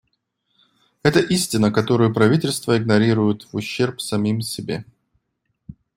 Это истина, которую правительства игнорируют в ущерб самим себе.